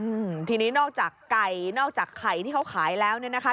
อืมทีนี้นอกจากไก่นอกจากไข่ที่เขาขายแล้วเนี่ยนะคะ